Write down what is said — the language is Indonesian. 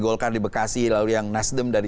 golkar di bekasi lalu yang nasdem dari